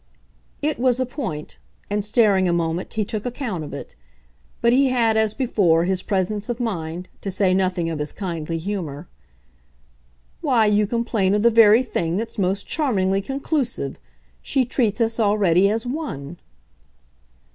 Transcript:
It was a point and, staring a moment, he took account of it. But he had, as before, his presence of mind to say nothing of his kindly humour. "Why, you complain of the very thing that's most charmingly conclusive! She treats us already as ONE."